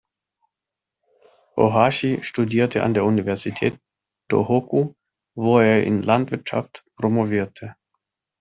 Ōhashi studierte an der Universität Tōhoku, wo er in Landwirtschaft promovierte.